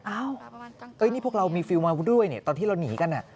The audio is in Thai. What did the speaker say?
อ้าวนี่พวกเรามีฟิลมาด้วยเนี่ยตอนที่เราหนีกัน